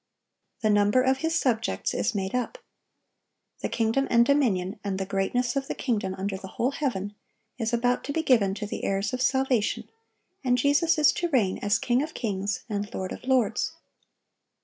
The number of His subjects is made up; "the kingdom and dominion, and the greatness of the kingdom under the whole heaven," is about to be given to the heirs of salvation, and Jesus is to reign as King of kings, and Lord of lords.